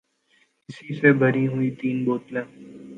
لسی سے بھری ہوئی تین بوتلیں